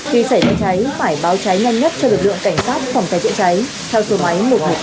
khi xảy ra cháy phải báo cháy nhanh nhất cho lực lượng cảnh sát phòng cháy trịa cháy